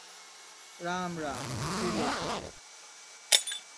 Ram Ram, Triloki.